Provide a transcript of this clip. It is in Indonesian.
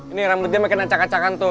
ini ramudya makin ancakan ancakan tuh